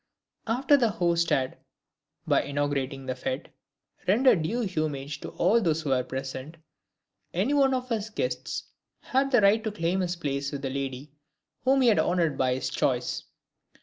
After the host had, by inaugurating the fete, rendered due homage to all who were present, any one of his guests had the right to claim his place with the lady whom he had honored by his choice.